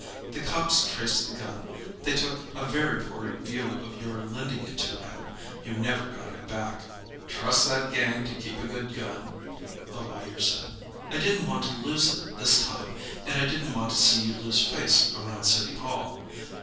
The cops traced the gun; they took a very poor view of your lending it to him. You never got it back." "Trust that gang to keep a good gun," the lawyer said. "I didn't want us to lose it, this time, and I didn't want to see you lose face around City Hall.